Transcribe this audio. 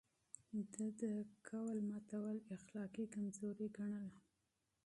ده د وعدو ماتول اخلاقي کمزوري ګڼله.